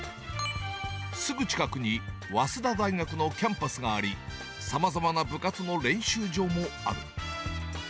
すぐ近くに早稲田大学のキャンパスがあり、さまざまな部活の練習場もある。